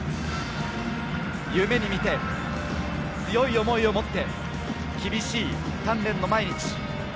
夢に見て、強い思いを持って、厳しい鍛錬の毎日。